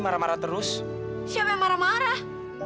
siapa yang marah marah